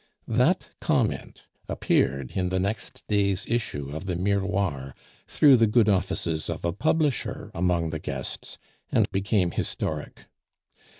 That comment appeared in the next day's issue of the Miroir through the good offices of a publisher among the guests, and became historic.